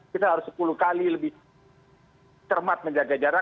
kita harus sepuluh kali lebih cermat menjaga jarak